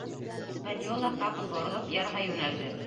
«Испаньола», ҡапыл боролоп, ярға йүнәлде.